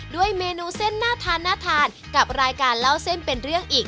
ด้วยเมนูเส้นน่าทานน่าทานกับรายการเล่าเส้นเป็นเรื่องอีก